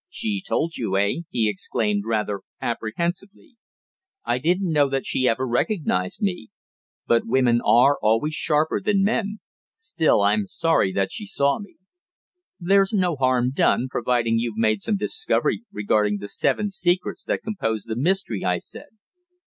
"She told you, eh?" he exclaimed, rather apprehensively. "I didn't know that she ever recognised me. But women are always sharper than men. Still, I'm sorry that she saw me." "There's no harm done providing you've made some discovery regarding the seven secrets that compose the mystery," I said.